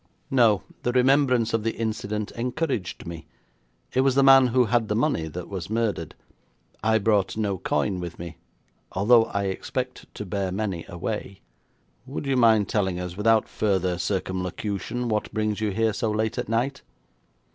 'No; the remembrance of the incident encouraged me. It was the man who had the money that was murdered. I brought no coin with me, although I expect to bear many away.' 'Would you mind telling us, without further circumlocution, what brings you here so late at night?'